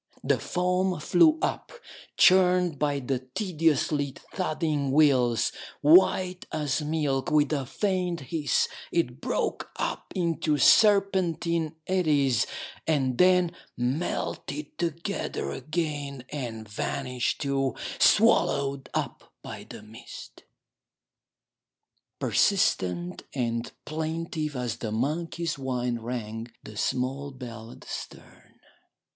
The foam flew up, churned by the tediously thudding wheels ; white as milk, with a faint hiss it broke up into serpentine eddies, and then melted together again and vanished too, swallowed up by the mist. Persistent and plaintive as the monkey's whine rang the small bell at the stern.